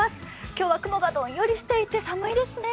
今日は雲がどんよりしていて寒いですね。